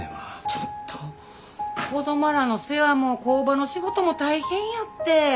ちょっと子供らの世話も工場の仕事も大変やって。